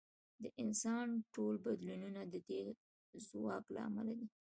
د انسان ټول بدلونونه د دې ځواک له امله دي.